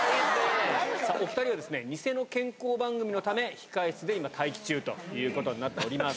お２人はですね、偽の健康番組のため、控え室で今、待機中ということになっております。